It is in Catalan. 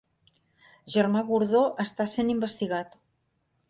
Germà Gordó està sent investigat